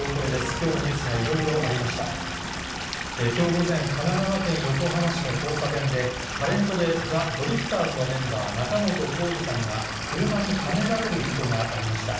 きょう午前、神奈川県横浜市の交差点で、タレントでザ・ドリフターズのメンバー、仲本工事さんが車にはねられる事故がありました。